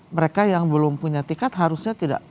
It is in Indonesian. mereka yang belum punya tiket harusnya tidak